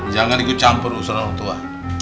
jangan ikut campur urusan orang tua